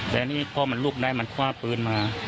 แต่นี่พอมันลุกได้มันคว้าปืนมา